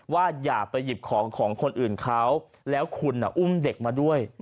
อย่าไปหยิบของของคนอื่นเขาแล้วคุณอุ้มเด็กมาด้วย